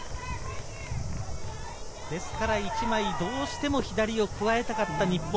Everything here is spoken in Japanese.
一枚どうしても左を加えたかった日本。